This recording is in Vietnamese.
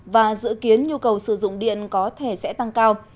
và dự kiến nhu cầu sử dụng điện có thể sẽ tăng cao